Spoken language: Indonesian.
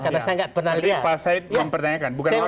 saya juga mempertanyakan